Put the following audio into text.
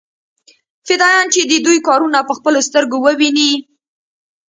فدايان چې د دوى کارونه په خپلو سترګو وويني.